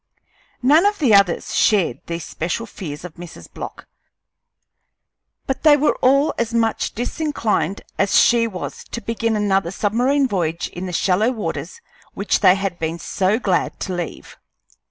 None of the others shared these special fears of Mrs. Block, but they were all as much disinclined as she was to begin another submarine voyage in the shallow waters which they had been so glad to leave.